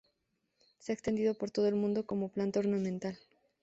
Se ha extendido por todo el mundo como planta ornamental.